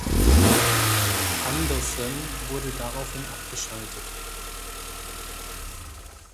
Anderson wurde daraufhin abgeschaltet.